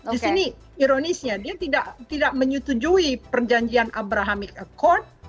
disini ironisnya dia tidak menyetujui perjanjian abrahamic accord